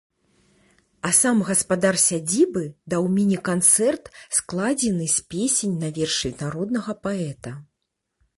А сам гаспадар сядзібы даў міні-канцэрт, складзены з песень на вершы народнага паэта.